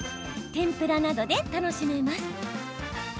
天ぷらなどで楽しめます。